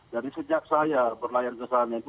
dari sejak saya berlayar kesan yang itu